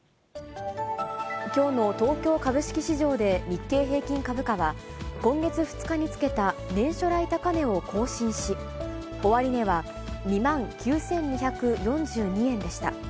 きょうの東京株式市場で日経平均株価は、今月２日につけた年初来高値を更新し、終値は２万９２４２円でした。